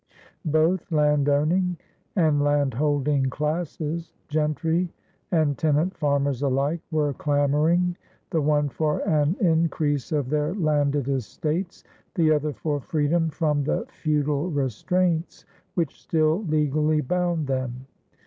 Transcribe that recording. Both landowning and landholding classes, gentry and tenant farmers alike, were clamoring, the one for an increase of their landed estates, the other for freedom from the feudal restraints which still legally bound them.